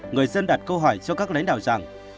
người dân đặt câu hỏi cho các lãnh đạo rằng